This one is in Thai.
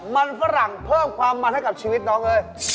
มันฝรั่งเพิ่มความมันให้กับชีวิตน้องเอ้ย